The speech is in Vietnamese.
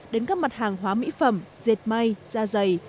đến các mặt hàng hóa mỹ phẩm dệt may da dày